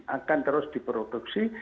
akan terus diproduksi